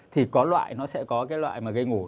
thì có loại nó sẽ có loại gây ngủ